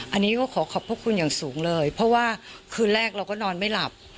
อันนี้ก็ขอขอบพระคุณอย่างสูงเลยเพราะว่าคืนแรกเราก็นอนไม่หลับ